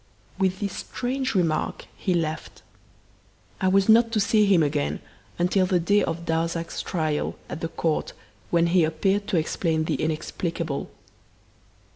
With this strange remark he left. I was not to see him again until the day of Darzac's trial at the court when he appeared to explain the inexplicable.